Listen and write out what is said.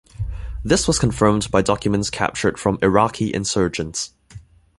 This was confirmed by documents captured from Iraqi insurgents.